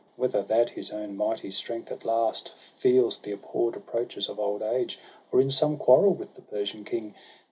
Whether that his own mighty strength at last Feels the abhorr'd approaches of old age; Or in some quarrel with the Persian King.